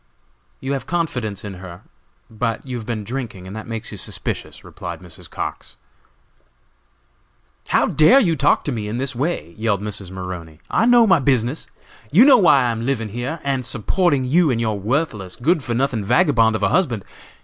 "You have confidence in her, but you have been drinking, and that makes you suspicious," replied Mrs. Cox. "How dare you talk to me in this way?" yelled Mrs. Maroney. "I know my business! You know why I am living here, and supporting you and your worthless, good for nothing vagabond of a husband.